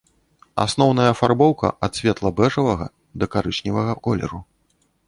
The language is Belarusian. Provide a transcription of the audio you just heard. Асноўная афарбоўка ад светла-бэжавага да карычневага колеру.